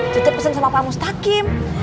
cucu pesen sama pak mustakim